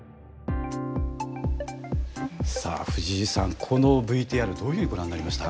さあ藤井さんこのＶＴＲどういうふうにご覧になりました？